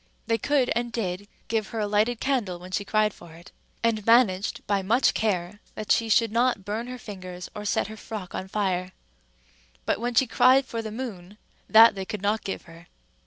They could and did give her a lighted candle when she cried for it, and managed by much care that she should not burn her fingers or set her frock on fire; but when she cried for the moon, that they could not give her.